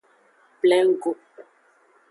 Plengo.